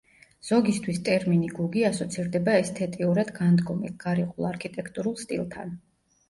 ზოგისთვის ტერმინი გუგი ასოცირდება ესთეტიურად განდგომილ, გარიყულ არქიტექტურულ სტილთან.